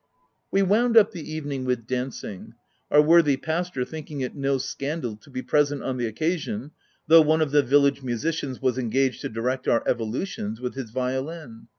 We wound up the evening with dancing — our worthy pastor thinking it no scandal to be present on the occasion, though one of the vil OF WILDFELL HALL. 7$ lage musicians was engaged to direct our evo lutions with his violin.